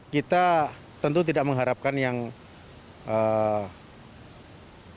kita tentu tidak mengharapkan yang eee